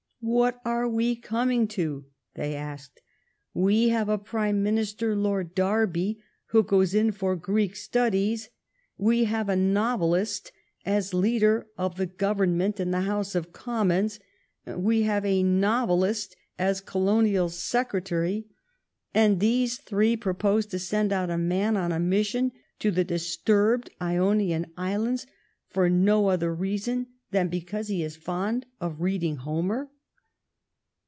"What are we coming to?" they asked. '* We have a Prime Minister, Lord Derby, who goes in for Greek studies ; we have a novelist as leader of the Government in the House of Com mons; we have a novelist as Colonial Secretary; 204 THE STORY OF GLADSTONE'S LIFE and these three propose to send out a man on a mission to the disturbed Ionian Islands for no other reason than because he is fond of reading Homer!"